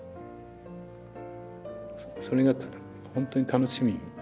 それがほんとに楽しみ。